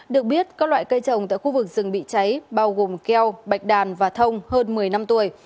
được biết các loại cây trồng tại khu vực rừng bị cháy bao gồm keo bạch đàn và thông hơn một mươi năm tuổi